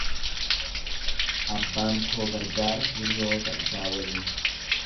Abbaan koo gargaara hiriyoota isaa waliin.